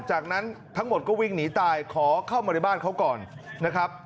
จากนั้นทั้งหมดก็วิ่งหนีตายขอเข้ามาในบ้านเขาก่อนนะครับ